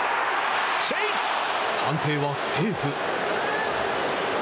判定はセーフ。